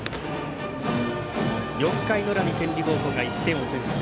４回の裏に天理高校が１点を先制。